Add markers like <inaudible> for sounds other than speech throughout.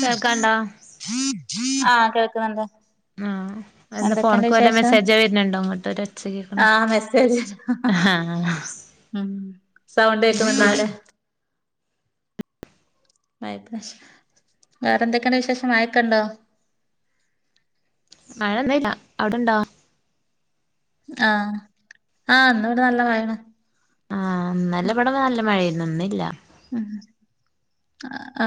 കേൾക്കാണ്ടാ ആഹ് കേൾക്ക്ന്ന്ണ്ട് ആഹ് എന്താ ഫോണ്ക്ക് വല്ല മെസ്സേജോ വെര്ണ് ണ്ട് ഇങ്ങട്ട് ഒരൊച്ച കേക്ക്ണ് ആഹ് ഇമ് സൗണ്ട് കേക്ക്ന്ന്ണ്ടാവുലേ വേറെ എന്തെക്കേണ്ട് വിശേഷം മയക്കണ്ടോ മഴ ഇന്ന്ല്ല അവ്ടെണ്ടോ ആഹ് ആഹ് ഇന്ന് ഇവിടെ നല്ല മഴയാണ് ആഹ് ഇന്നലെ ഇവിടെ നല്ല മഴയാരുന്നു ഇന്നില്ല ഉം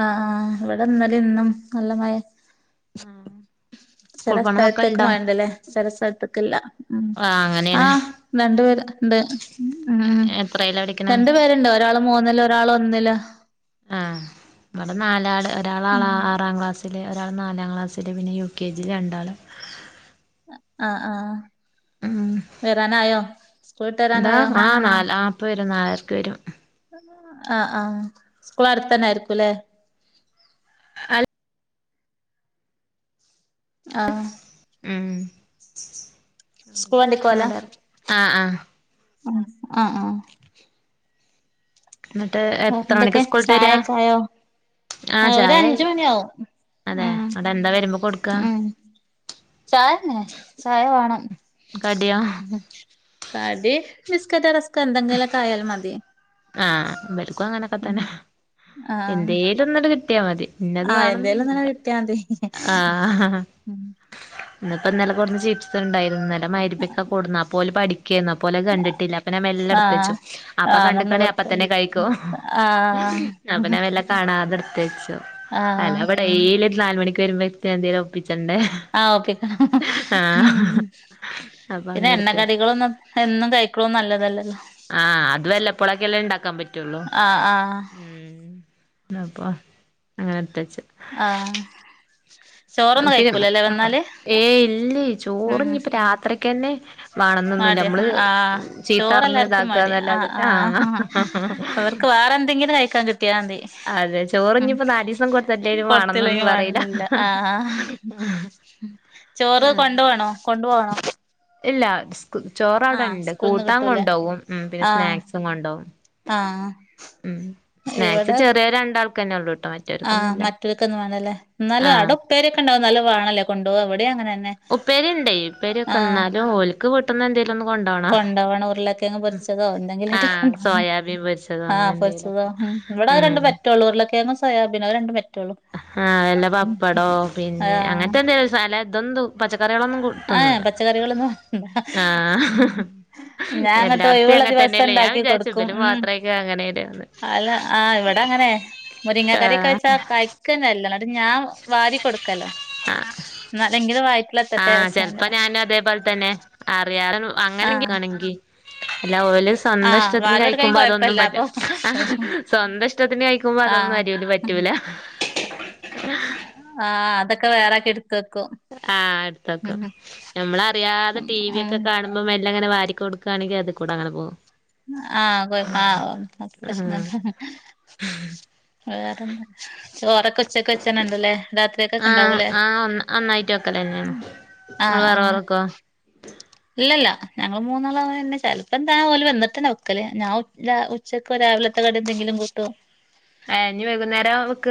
ആഹ് ആഹ് ഇവിടെ ഇന്നലേയും ഇന്നും നല്ല മഴയായിരുന്നു ആഹ് ആഹ് ചില സ്ഥലത്ത്ക്ക് മഴ ഉണ്ടല്ലെ ചില സ്ഥലത്ത്ക്കില്ല ഉം ആഹ് അങ്ങനെയാണ് ആഹ് രണ്ട് പേര് ഉണ്ട് ഉം എത്രയിലാ പഠിക്കണെ രണ്ട് പേരുണ്ട് ഒരാള് മൂന്നിലും ഒരാള് ഒന്നിലും ആഹ് ഇവിടെ നാലാള് ഒരാള് ഉം <unintelligible> ആറാം ക്ലാസ് ഒരാള് നാലാം ക്ലാസ്സില് പിന്നെ യു കെ ജി രണ്ടാളും ആഹ് ആഹ് ഉം വരാറായോ സ്കൂൾ വിട്ട് എന്താ വരാറായോ ആഹ് നാല് ആഹ് ഇപ്പ വരും നാലരക്ക് വരും ആഹ് ആഹ് സ്കൂള് അടുത്ത് തന്നെ ആയിരിക്കൂല്ലേ <unintelligible> ആഹ് ഉം സ്കൂൾ വണ്ടിക്കോല അതെ <unintelligible> ആഹ് ആഹ് ആഹ് ആഹ് എന്നിട്ട് എത്ര വേറെന്തൊക്കെ മണിക്ക് സ്കൂളിട്ട് വരിക ചായൊക്കെ ആയോ ആഹ് അവര് ചായായി അഞ്ച് മണി ആവും അതെ ഉം അവിടെ എന്താ വരുമ്പോ കൊടുക്കാ ഉം ചായതന്നെ ചായ വേണം കടിയോ കടി ബിസ്ക്കറ്റോ റെസ്കോ എന്തെങ്കിലൊക്കെ ആയാലും മതി ആഹ് ഇവറുക്കും അങ്ങനൊക്കെ ഉം തന്നെ ആഹ് എന്തേലൊന്ന്ട് കിട്ടിയാ മതി ഇന്നത് ആഹ് എന്തേലും വേണോന്നൊന്നും ഇങ്ങനെ ഇല്ല കിട്ടിയാ മതി ആഹ് ഇന്ന് ഇപ്പൊ ഇന്നലെ <unintelligible> ചീപ്സ് ഉണ്ടായിരുന്ന് ഇന്നലെ <unintelligible> പഠി <unintelligible> കണ്ടിട്ടില്ല അപ്പൊ ഞാൻ മെല്ലടുത്ത് ആഹ് വച്ചു അപ്പ ആഹ് നിന്ന് <unintelligible> അപ്പ കൊടുക്ക തന്നെ കഴിക്കും ആഹ് അപ്പ ഞാൻ മെല്ലെ കാണാതെ എടുത്ത് വച്ചു ആഹ് അല്ലാ ഡെയ്ലി ഒരുനാല് മണിക്ക് വരുമ്പോ എന്തേലും ഒപ്പിച്ചൊണ്ടെ ആഹ് ഓക്കെ ഉം അപ്പൊ പിന്നെ അങ്ങനെ എണ്ണ ഇട്ത്തെച്ചു കറികളൊന്നും എന്നും കഴിക്കണ നല്ലതല്ലല്ലോ ഇപ്പോളെക്കെല്ലെ ഉണ്ടാക്കാൻ പറ്റുള്ളൂ ആഹ് ആഹ് ഉം <unintelligible> അങ്ങനെടുത്ത് വച്ച് ആഹ് ചോറൊന്നും കഴിക്കൂലല്ലേ <unintelligible> വന്നാല് ഏയ് ഇല്ലേ ചോറ് ഉം ഇനിയിപ്പം രാത്രിക്ക് തന്നെ വേണൊന്നൊന്നൂല്ല മടിയ നമ്മള് ആഹ് ചീത്ത പറഞ്ഞ് ചോറെല്ലാർക്കും മടിയ ഇതാക്കന്നല്ലാതെ ആഹ് അവർക്ക് വേറെന്തെങ്കിലും കഴിക്കാൻ കിട്ടിയാ മതി അതെ ഉം ചോറിഞ്ഞിപ്പോ നാലീസം കൊടുത്തില്ലേലും വേണന്നൊന്നും കൊടുത്തില്ലെങ്കിൽ പറയില്ല വേണന്നില്ല ആഹ് ഉം ചോറ് കൊണ്ടുപോണോ കൊണ്ട് പോവണോ ഇല്ല ചോറ് അവിടെ ഉണ്ട് സ്കൂൾന്ന് കൂട്ടാൻ കിട്ടൂലേ കൊണ്ട് പോവും ഉം പിന്നെ ആഹ് സ്നാക്സും കൊണ്ട് പോവും ആഹ് ഉം സ്നാക്സ് ഇവിടെ ചെറിയ രണ്ടാൾക്ക് തന്നെ ഉള്ളൂട്ടോ ആഹ് മറ്റവർക്കൊന്നുല്ല മറ്റോർക്കൊന്നും വേണ്ടല്ലേ എന്നാലും അവിടെ ആഹ് ഉപ്പേരി ഒക്കെണ്ടാവും എന്നാലും വേണല്ലേ കൊണ്ട് പോവാൻ ഇവിടെയും അങ്ങനെ തന്നെ ഉപ്പേരി ഉണ്ടേ ഉപ്പേരി ഒക്കെ എന്നാലും ഓൽ ക്ക് വീട്ടിന്ന് എന്തേലൊന്ന് കൊണ്ട് പോണം കൊണ്ടോവണം ഉരുളക്കിഴങ്ങ് പൊരിച്ചതോ എന്തെങ്കിലായിട്ട് ആഹ് കൊണ്ടോണം സൊയാബീൻ പൊരിച് ആഹ് പൊരിച്ചതോ ഉം ഇവിടെ രണ്ട് പറ്റൊള്ളൂ ഉരുളക്കിഴങ്ങും സോയാബീനും അത് രണ്ടും പറ്റൊള്ളൂ ആഹ് വല്ല പപ്പടോ പിന്നെ ആഹ് അങ്ങനത്തന്നെ അല്ലാത ഇതെന്തു പച്ചക്കറികളൊന്നും കു ആഹ് പച്ചക്കറികളൊന്നും ആഹ് ഞാൻ എന്നിട്ട് എല്ലാടത്തും ഒഴിവുള്ള അങ്ങനെ ദിവസം തന്നെയല്ലേ ഞാൻ ഉണ്ടാക്കി കൊട് വിചാരിച്ചു ക്കും ഇബല് ഉം മാത്രായിക്കും അങ്ങനെയാണ്ന്ന് അല്ല ആഹ് ഇവടങ്ങനെ മുരിങ്ങ കറിക്ക ആഹ് വെച്ചാ കയ് ക്കന്നല്ല എന്നട്ട് ഞാ വാരി കൊട്ക്കല എന്നാലെങ്കിലും വായി ആഹ് ചെലപ്പ നാനും അതെപോൽ തന്നെ അറിയാറുൾ അങ്ങനെങ്കി ആഹ് കയികാണെങ്കി ഇല്ല ഓല് സ് സ്വന്ത ആഹ് ഇഷ്ടത്തിന് വാരി കൊടുക്കാണെ കയ്ക്കുമ്പോ അതൊന്നും കൊഴപ്പല്ല പറ്റ്ല അപ്പൊ അഹ സ്വന്ത ഇഷ്ടത്തിന് കയ്ക്കുമ്പോ അതൊന്നും ആഹ് അരുല് പറ്റ് റ്റൂല ആഹ് അതെക്ക വേറാക്കി ഇട്ത്ത് വെക്കും ആഹ് എട്ത്ത് ഉം വെക്കും നമ്മളറിയാതെ ഉം ടി വി യെക്ക കാണ് മ്പം മെല്ല അങ്ങനെ വാരി കൊട്ക്കാണെങ്കി അത്ക്കുട അങ്ങന പോവും ആഹ് കൊ ആഹോ പ്രശ്ന ആഹ് വേറെന്താ ചോറെക്ക ആഹ് അഹ് ഒന്നായിട്ട് വെക്കല് തന്നെയാണ് ആഹ് ഇങ്ങള് വേറെ ആഹ് വേറെ വെക്കോ ഇല്ലല്ല ഞങ്ങള് മൂന്നാളതന്നെ ചെലപ്പ എന്താ ഓല് വന്നിട്ടന്ന വെക്കല് ഞാ ഉച് ദാ ഉച് ഉച്ചക്കൊരാവിലെത്തെ കടി എന്തെങ്കിലും കു ഏഹ് ഇഞ് വൈക്ന്നേര വെക്ക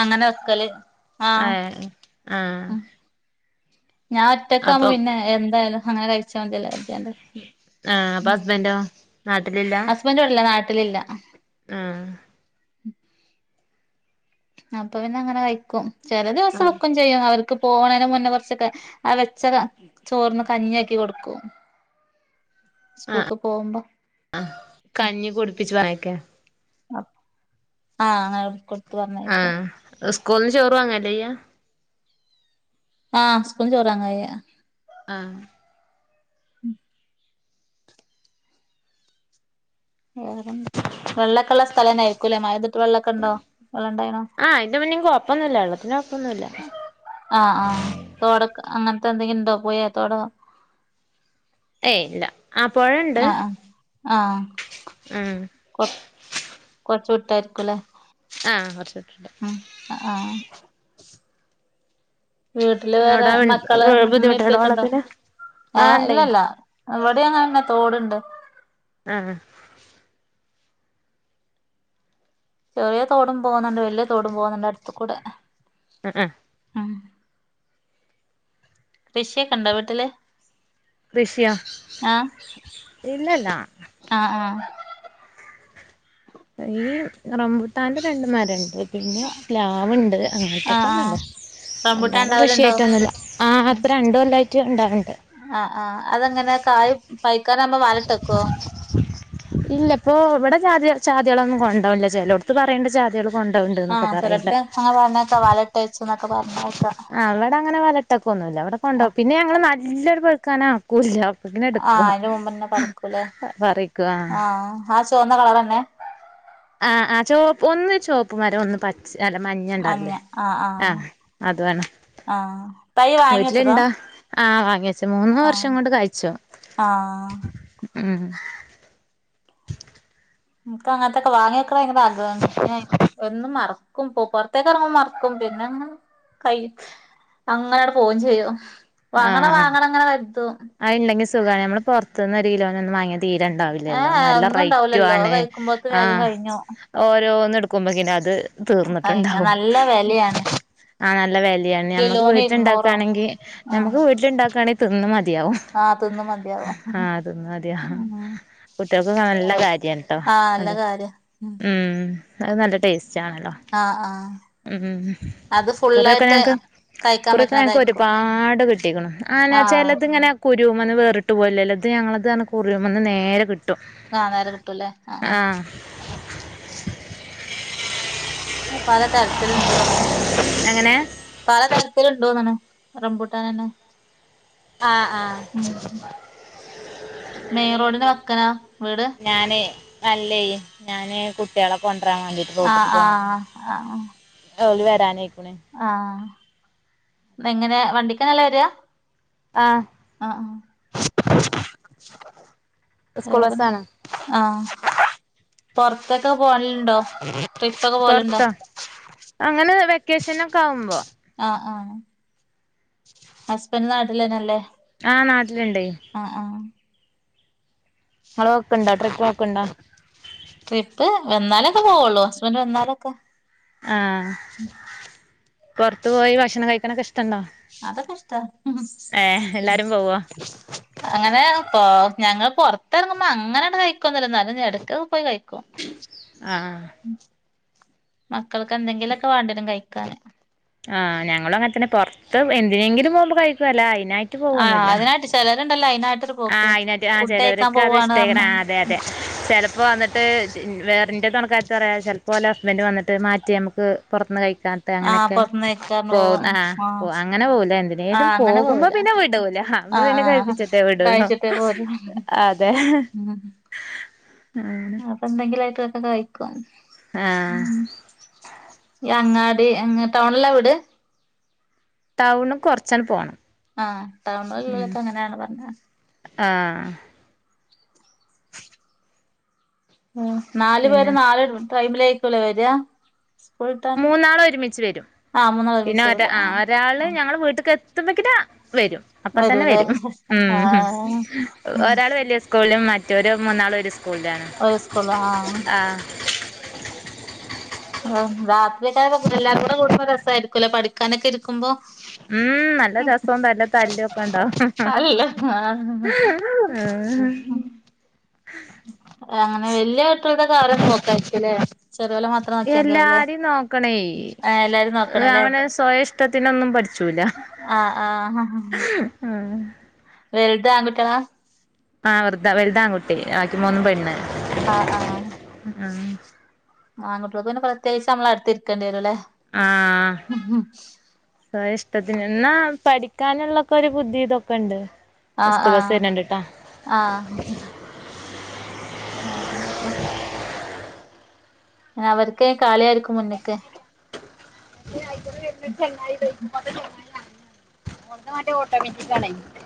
അങ്ങന വെക്കല് ആഹ് ഏഹ് ഏഹ് ഞാ ഒറ്റക്കാവ്മ്പ പിന്നെ എന്തായലും അങ്ങനെ കഴിച്ചാ മതിയല്ലോ കര്തി യാണ്ട് ആഹ് അപ്പ ഹസ്ബന്റൊ നാട്ട്ലില്ല ഹസ്ബന്റ് ഇവ്ട്ല്ല നാട്ട്ലില്ല ഉം അപ്പ പിന്ന അങ്ങന കയ്ക്കും ചെല ദിവസം ആഹ് വെക്കും ചെയ്യും അവർ ക്ക് പോണെന്റെ മുന്നേ കൊറച്ചെക്ക ആ വെച്ച ചോർന്ന് കഞ്ഞി ആക്കി കൊട്ക്കും <inaudible> സ്കൂൾക്ക് പോവുമ്പം അഹ് കഞ്ഞി കുടുപ്പിച്ച് പറഞ്ഞയ്ക്കാ അ ആഹ് അങ്ങന <unintelligible> ആഹ് സ്കൂൾന്ന് ചോറ് വാങ്ങലെയ്യ ആഹ് സ്കൂള്ന്ന് ചോറ് വാങ്ങ ചെയ്യ ആഹ് ഉം വെള്ളക്കൊള്ള സ്ഥലന്നെ ആയ്രിക്കൂലെ മയത് ആഹ് അയ്ന്റ മുന്നെം കൊയപ്പൊന്നുല്ല വെള്ളത്തിന്റെ കൊയപ്പൊന്നുല്ല ആഹ് അഹ് തോടക്ക അങ്ങനത്തന്തെങ്കില്ണ്ടോ പൊയ തൊടോ ഏയ് ഇല്ല ആ പൊഴണ്ട് ആഹ് ആഹ് ആഹ് ആഹ് കൊറച് കൊറച്ച്‌ വിട്ടായിര്ക്കുലെ ആഹ് കൊറച്ച്‌ വിട്ടിട്ട അ ആഹ് വീട്ടില് വേറെ അവിടെ മക്കള് ഉമ്മെ ബുദ്ധിമുട്ടുണ്ടോ ഇപ്പെക്കണ്ടോ വെള്ളത്തിന് ആ ഏഹ് ഇണ്ടേ ഇല്ലല്ല വ്ടെ അങ്ങനന്നേ തോട്ണ്ട് ആഹ് ചെറിയ തോടും പോവുന്നുണ്ട് വല്ലിയ തോടും പോവുന്നെണ്ട് അട്ത്ത് കുടെ ആ ആ കൃഷിയൊക്കെ ഇണ്ടോ വീട്ടില് കൃഷിയോ ആഹ് ഇല്ലല്ലാ ആഹ് ആഹ് ഈ റംബൂട്ടാന്റെ രണ്ട് മരണ്ട് പിന്നെ പ്ലാവ്ണ്ട് ആഹ് അങ്ങൻത്തൊക്കെന്നെ ആഹ് ഉള്ളു റംബൂട്ടാൻ അല്ലാണ്ട് ഉണ്ടാവലുണ്ടോ കൃഷിയായിട്ടൊന്നുല്ലാ ആഹ് ഇപ്പൊ രണ്ടു കൊല്ലായിറ്റ് ഇണ്ടാവ്ണ്ട് ആഹ് ആഹ് അതെങ്ങനെ കായ് പൈക്കാനാവുമ്പോ വലട്ടെക്കോ? ഇല്ല ഇപ്പൊ ഇവിടെ ചാതി ചാതികളൊന്നും കൊണ്ടോവണില്ലാ ചെലോടുത്ത് പറയിണ്ട് ചാതിയേള് ആഹ് ചെലട്ത്ത് അങ്ങനെ പറണേക്കാ വല ഇട്ട് വെച്ച്ന്നൊക്കെ പറെണെക്കാ ആഹ് ഇവടെ അങ്ങനെ വലട്ടൊക്കൊന്നുല്ലാ ഇവിടെ കൊണ്ടോ പിന്നെ ഞങ്ങള് നല്ലണം പഴുക്കാനാവുമ്പോ ക്കൂല്ലാ അപ്പോത്തിന്‌ എടുക്കും ആഹ് പറിക്കും ലേ ആഹ് ആ ചോന്ന കളറെന്നെയാ ആഹ് ആഹ് ചോ ഒന്ന് ചോപ്പ് മരം ഒന്ന് പച്ച് ച്ച അല്ല മഞ്ഞ ഇണ്ടാവില്ലേ ആഹ് അതും ആണ് ആഹ് തൈ വാങ്ങി വീട്ടിൽ വെച്ചതാ ഇണ്ടോ ആഹ് വാങ്ങി വെച്ചു മൂന്നൂ വർഷം ആഹ് കൊണ്ട് കായിച്ചു ആഹ് ഉം ഇൻക്ക് അങ്ങൻത്തൊക്കെ വാങ്ങി വെക്കണ ഭയങ്കര ആഗ്രഹാണ് പിന്നെ എന്നും മറക്കും പൊ പൊറത്തേക്ക് എറങ്ങ്മ്പോ മറക്കും ക്കും പിന്നങ്ങ് കയ്യും അങ്ങനെ ആട് പോവും ചെയ്യും വാങ്ങണ ആഹ് വാങ്ങണ അങ്ങനെ കരുതും അത് ഇണ്ടെങ്കി സുഖാ ഞമ്മള് പൊറത്ത്ന്ന് ഒരു കിലോനൊന്നും വാങ്ങിയാ ഏ തീരെണ്ടാവില്ലല്ലോ നല്ല ഒന്നും റൈയ്റ്റു ഉണ്ടാവൂലല്ലോ ആണ് അത് കഴിക്കുമ്പോത്ത് വേഗം ആഹ് കഴിഞ്ഞു ഓരോന്ന് എടുക്കുമ്പോക്കിനും അത് കഴിഞ്ഞു തീർന്നിട്ടുണ്ടാവും നല്ല വിലയാണ് ആഹ് നല്ല വെലയാണ് ഞമ്മക്ക് കിലോന് വീട്ടില് ഇരുന്നൂറോ ഇണ്ടാക്കാണെങ്കി ഉം ഞമ്മക്ക് വീട്ടിലിണ്ടാക്കാണെങ്കി തിന്ന് മട് തിയാവും ആ തിന്ന് മതിയാവും ആഹ് തിന്ന് മതിയാവും കുട്ടികൾക്കൊക്കെ നല്ല കാര്യാണേ ആഹ് നല്ല കാര്യാ ഉം ഉം അത് നല്ല ടേസ്റ്റാണല്ലോ ആഹ് ആഹ് ഉം ഇക്കുറിയൊക്കെ ഞങ്ങക്ക് കഴിക്കാൻ ഇക്കുറിയൊക്കെ ഞങ്ങക്ക് പറ്റണതായിരിക്കും ഒരുപാട് കിട്ടിക്കണു ആഹ് ന്നാ ആ ചെലതിങ്ങനെ കുരുമെന്ന് വേറിട്ട് പോവലില്ലല്ലോ ഇത് ഞങ്ങളത് പറഞ്ഞ കുരുമെന്ന് നേരെ കിട്ട് ആഹ് നേര കിട്ടും ല്ലേ ആഹ് ആഹ് പല തരത്തില്ണ്ട് തോന്നണ് എങ്ങനെ പല തരത്തിലുണ്ടോന്നണ് റംമ്പൂട്ടാനെന്നെ ആഹ് ആഹ് ഉം മെയിൻ റോഡിന് വക്കനാ വീട് ഞാനെയ് അല്ലേയ് ഞാന് കുട്ട്യാളെ കൊണ്ടരാൻ വേണ്ടിട്ട് ആഹ് റോട്ട്ക്ക് പോന്ന്ക്കാ ആഹ് ആഹ് ഓല് വെരാനായിക്കണ് ആഹ് എങ്ങനെ വണ്ടിക്കന്നല്ലേ വെരാ ആഹ് ആഹ് ആഹ് സ്കൂൾ വേറെന്താ? ബസ്സാണ് ആഹ് പൊർത്തൊക്കെ പോവല്ണ്ടോ? പൊറത്തോ അങ്ങനെ വെക്കേഷനൊക്കെ ആവുമ്പോ ആഹ് ആഹ് ഹസ്ബൻഡ് നാട്ടിലന്നെല്ലേ ആഹ് നാട്ടിലുണ്ട് ആഹ് ആഹ് ഇങ്ങള് നോക്കണ്ടോ ട്രിപ്പ് നോക്കണ്ടോ ട്രിപ്പ് വന്നാലൊക്കെ പോവുള്ളൂ ഹസ്ബന്റ് വന്നാലൊക്കെ ആഹ് പൊറത്ത് പോയി ഭക്ഷണം കഴിക്കാനൊക്കെ ഇഷ്ടണ്ടോ അതൊക്കെ ഇഷ്ട ഏഹ് എല്ലാരും പോവോ അങ്ങനെ പ്പൊ ഞങ്ങള് പൊറത്തിറങ്ങുമ്പോ അങ്ങനങ്ങട്ട് കഴിക്കൊന്നും ഇല്ല ന്നാലും എടക്ക് പോയി കഴിക്കും ആഹ് മക്കൾക്ക് എന്തെങ്കിലൊക്കെ വേണ്ടി വരും കഴിക്കാന് ആഹ് ഞങ്ങളും അങ്ങനെ തന്നെ പുറത്ത് എന്തിനെങ്കിലും പോകുമ്പോ കഴിക്കും അല്ലാതെ അയി ആഹ് അതിനായിട്ട് ചിലരുണ്ടല്ലോ അതിനായിട്ടൊരു ആഹ് അയിനായിട്ട് ആ ചെലോരൊക്കെ അത് ഇഷ്ടമായിക്കണം ആഹ് പറഞ്ഞാണ്ട് അതെ അതെ ചെലപ്പോ വന്നിട്ട് വേറിൻ്റെ തുണക്കാരത്തി പറയാ ചിലപ്പോഓലെ ഹസ്ബന്റ് വന്നട്ട് മാറ്റി നമുക്ക് പുറത്തുന്ന് കഴിക്കാ ആഹ് അങ്ങനെയൊക്കെ പൊറത്ത്ന്ന് കഴിക്കാന്ന് പോ പോവാ ആഹ് അങ്ങനെ പോകൂല എന്തിനേലും ആഹ് അങ്ങനെ പോകുമ്പോ പോവൂല പിന്നെ വീടൂല ആഹ് അപ്പം പിന്നെ കഴിപ്പിച്ചിട്ടെ വിടൂളൂ കഴിച്ചിട്ടേ പോരൂ അതെ ഉം ഉം അപ്പൊ എന്തെങ്കിലുംയിട്ടൊക്കെ കഴിക്കും ആഹ് ഉം ഈ അങ്ങാടി അങ് ടൗണില വീട് ടൗണും കുറച്ചങ്ങ് പോണം ആഹ് ഉം ടൗണിലുള്ളവരൊക്ക അങ്ങനെയാണ് പറഞ്ഞത് ആഹ് ഉം നാലു പിന്നെ പേരും നാല് ടൈമിലയിരിക്കൂലേ വരിക മൂന്നാൾ ഒരുമിച്ച് വരും ആഹ് മൂന്നാള് പിന്നെ ഒരുമിച്ച് ഒരാ വരൂലേ ങാ ആഹ് ഒരാള് ആഹ് ഞങ്ള് വീട്ടക്ക് എത് എത്തുമ്പക്കന വരും അപ്പൊ തന്നെ വരൂലേ വരും ഉം ആഹ് ഉം ഒരാൾ വലിയ സ് സ്കൂളിലും മറ്റോരു മൂന്നാളും ഒരു സ്കൂളിലാണ് ഒരു സ്‌കൂളിലും ആഹ് ആഹ് ആഹ് രാത്രി ഒക്കെ ആയ എല്ലാരും കൂടെ കൂടുമ്പം രസമായിരിക്കുല്ലെ പഠിക്കാനൊക്കെ ഇരിക്കുമ്പോ ഉം നല്ല രസോം നല്ല തല്ലൊക്കെ ഉണ്ടാവും അല്ല ആഹ് ആഹ് അങ്ങനെ വലിയ കുട്ടികളെതൊക്കെ അവരെന്നെ നോക്കായിരിക്കല്ലേ ചെറിയോലെ മാത്രം നോക്കിയാ മതിയാവൂല്ലേ എല്ലാരിയും നോക്കണേ ഏഹ് എല്ലാരും നോക്കണല്ലേ അവനെ സ്വയം ഇഷ്ടത്തിനൊന്നും പഠിച്ചൂല ആഹ് ആഹ് ആഹ് വെൽത് ആൺകുട്ടികള ആഹ് വെറുത വലുത് ആൺകുട്ടി ബാക്കി മൂന്നും പെണ്ണ് ആഹ് ആഹ് ഉം ആൺകുട്ടികളത് പിന്നെ പ്രത്യേകിച്ച് നമ്മള് അടുത്തിരിക്കേണ്ടി വരും അല്ലേ ആഹ് സ്വയം ഇഷ്ടത്തിന് എന്നാ പഠിക്കാനുള്ളൊക്കെ ഒരു ബുദ്ധി ഇതൊക്കെ ഉണ്ട് ആഹ് സ്കൂൾ ബസ് ആഹ് വരുന്നുണ്ട്ട്ടാ ആഹ് അവര്ക്കെ കാളിയായിരിക്കും മുന്ന്ക്ക് <unintelligible> ഓളെത് മറ്റേ ഓട്ടോമറ്റിക്കാണേ ഇങ്ങട്ട്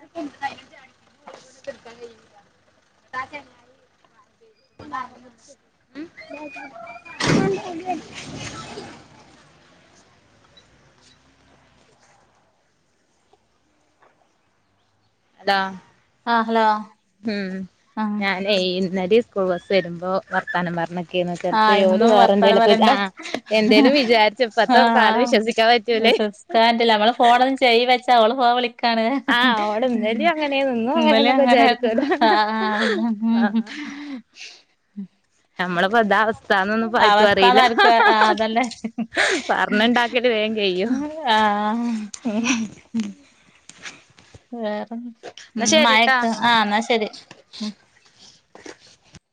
എടുക്കാൻ കഴിയുന്നില്ല എന്നിട്ടും ആ ചെങ്ങായിയെ <unintelligible> എടാ ആഹ് ഹലോ ഉം ആഹ് ഞാൻ ഇപ്പൊ വൈന്നേരം സ്കൂൾ ബസ്സ് വരുമ്പോ വർത്താനം പറഞ്ഞ ഇരിക്കെന് ആഹ് ചെലപ്പേ ഓരെ ഇന്നും വേറെ വർത്താനം എന്തേലുമൊക്കെ പറയണ്ട ആ എന്തേലും വിചാരിച്ച ഇപ്പത്തെ കാലം വിശ്വസിക്കാൻ പറ്റൂലേ കേന്ട്ടില്ല നമ്മള് ഫോണൊന്നും ചെവിയിൽ വെച്ച അവള് ഫോൺ വിളിക്കുമ്പോ കാണല ആഹ് ഓള് ഇന്നലിം അങ്ങനെന്നു ഇന്നും ഇന്നലെ അങ്ങനെന്നൊക്കെ അങ്ങനെ വിചാരിക്കോലോ ആഹ് ഉം ആഹ് നമ്മളിപ്പോന്തവസ് വസ്ഥന്നൊന്നും പ്പാർക്കും അറിയില്ല അവസ്ഥാന്നാർക്കും ആഹ് അതന്നെ പറഞ്ഞണ്ടാക്കിട്ട് വേഗം കയിയും ആഹ് വേറെ ഉം എന്നാ ശരിട്ടാ മയക്കെ ആഹ് എന്നാ ശരി ഉം